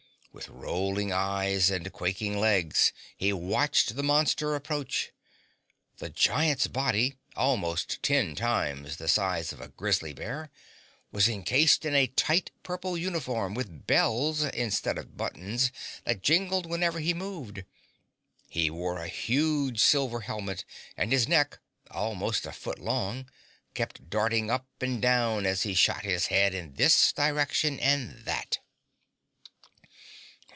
With rolling eyes and quaking legs he watched the monster approach. The Giant's body, almost ten times the size of a grizzly bear, was encased in a tight purple uniform with bells instead of buttons that jingled whenever he moved. He wore a huge silver helmet, and his neck, almost a foot long, kept darting up and down as he shot his head in this direction and that.